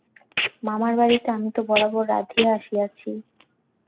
মামার বাড়িতে আমি তো বরাবর রাঁধিয়া আসিয়াছি।